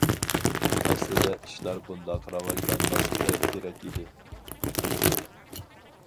ئەسلىدە ئىشلار بۇنداق راۋاجلانماسلىقى كېرەك ئىدى.